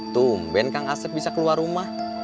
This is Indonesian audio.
tum ben kang asep bisa keluar rumah